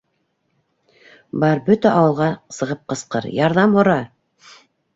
Бар, бөтә ауылға сығып ҡысҡыр, ярҙам һора.